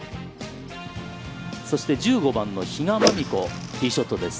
そして、１５番の比嘉真美子、ティーショットです。